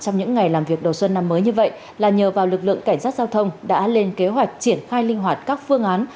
trong những ngày làm việc đầu xuân năm mới như vậy là nhờ vào lực lượng cảnh sát giao thông đã lên kế hoạch triển khai linh hoạt các phương án